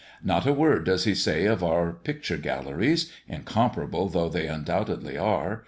Not a word does he say of our picture galleries, incomparable though they undoubtedly are.